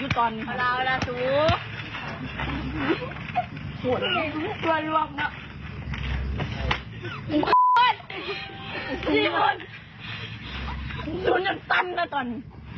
กูก็เหลือเฝี๊ยง